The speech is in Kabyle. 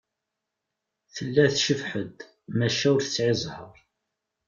Tella tcebbeḥ-d, maca ur tesεi ẓẓher.